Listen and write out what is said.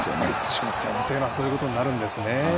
初戦というのはそういうことになるんですね。